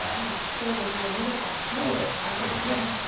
きょうよりも２度から３度、高いんですね。